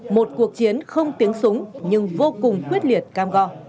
một cuộc chiến không tiếng súng nhưng vô cùng quyết liệt cam go